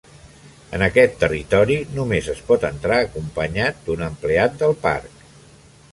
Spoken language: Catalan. En aquest territori només es pot entrar acompanyat d'un empleat del parc.